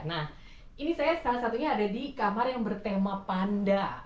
nah ini saya salah satunya ada di kamar yang bertema panda